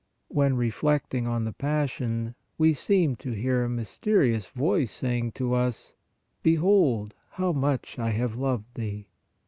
When reflecting on the passion, we seem to hear a mysterious voice saying to us :" Behold how much I have loved thee